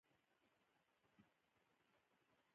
هرات د افغانستان په ستراتیژیک اهمیت کې رول لري.